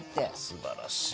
すばらしい。